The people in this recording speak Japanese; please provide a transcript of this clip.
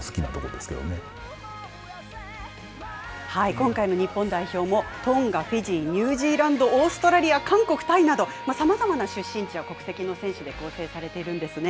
今回の日本代表も、トンガ、フィジー、ニュージーランド、オーストラリア、韓国、タイなど、さまざまな出身地や国籍の選手で構成されているんですね。